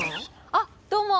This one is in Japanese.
あどうも。